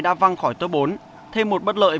đã văng khỏi tớ bốn thêm một bất lợi